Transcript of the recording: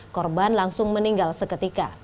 korban langsung meninggal seketika